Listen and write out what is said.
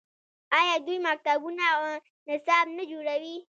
آیا دوی مکتبونه او نصاب نه جوړوي؟